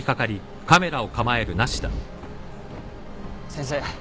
先生